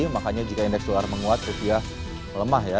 makanya jika indeks dolar menguat rupiah melemah ya